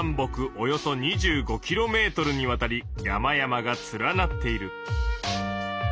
およそ２５キロメートルにわたり山々が連なっている。